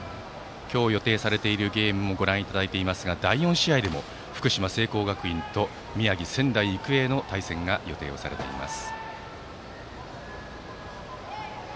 今日予定されているゲームもご覧いただいていますが第４試合でも福島・聖光学院と宮城・仙台育英の対戦が予定されています。